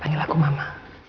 panggil aku mama